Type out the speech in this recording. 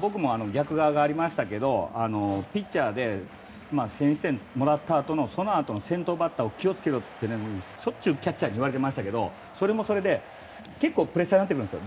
僕も逆側がありましたけどピッチャーで先制点をもらったあとのそのあとの先頭バッター気をつけろってしょっちゅうキャッチャーに言われてましたけどそれもそれで結構プレッシャーになるんですよ。